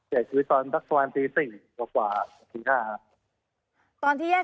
เกิดอยู่ตอนรักษวรรณตี๔กว่าตี๕